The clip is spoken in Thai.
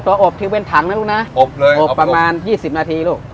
อบถือเป็นถังนะลูกนะอบเลยอบประมาณยี่สิบนาทีลูก